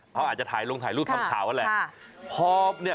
เขาอาจจะถ่ายลงถ่ายรูปทำข่าวนั่นแหละ